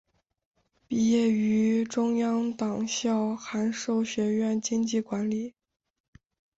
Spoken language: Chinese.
毕业于中央党校函授学院经济管理。